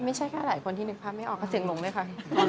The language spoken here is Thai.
ไม่ใช่แค่หลายคนที่นึกภาพไม่ออกก็เสียงหลงเลยค่ะ